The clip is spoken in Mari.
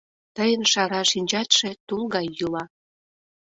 Тыйын шара шинчатше тул гай йӱла.